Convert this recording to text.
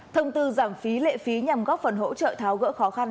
thông tư giảm phí lệ phí nhằm góp phần hỗ trợ tháo gỡ khó khăn